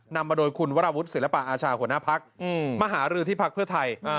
นำมาโดยคุณวรวุฒิศิลปะอาชาหัวหน้าพักมาหารือที่พักเพื่อไทย